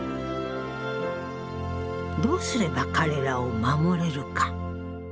どうすれば彼らを守れるか。